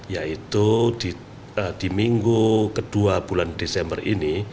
yaitu di minggu kedua bulan desember ini